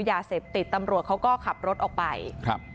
ยาเสพติดตำรวจเขาก็ขับรถออกไปครับ